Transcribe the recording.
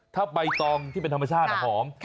ถ้าใบตองที่เป็นธรรมชาติหอม